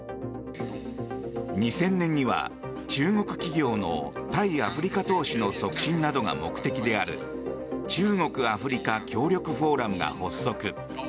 ２０００年には中国企業の対アフリカ投資の促進などが目的である中国・アフリカ協力フォーラムが発足。